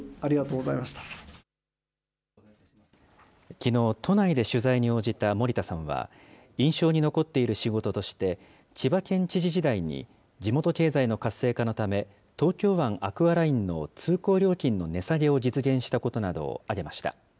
きのう、都内で取材に応じた森田さんは、印象に残っている仕事として、千葉県知事時代に地元経済の活性化のため、東京湾アクアラインの通行料金の値下げを実現したことなどを挙げました。